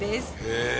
へえ！